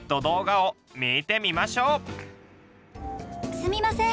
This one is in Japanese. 「すみません」。